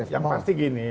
yang pasti begini